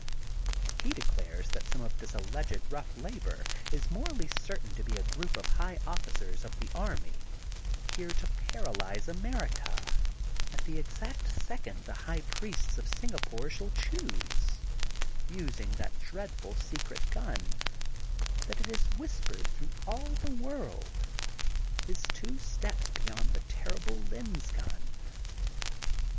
He declares that some of this alleged rough labor is morally certain to be a group of high officers of the army, here to paralyze America at the exact second the high priests of Singa pore shall choose, using that dreadful secret gun, that it is whispered through all the world, is two steps beyond the terrible lens gun.